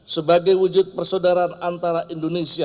sebagai wujud persaudaraan antara indonesia